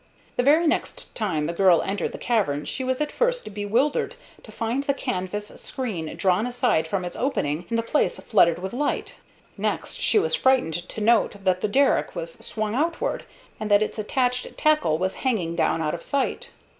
The very next time the girl entered the cavern she was at first bewildered to find the canvas screen drawn aside from its opening and the place flooded with light. Next she was frightened to note that the derrick was swung outward, and that its attached tackle was hanging down out of sight.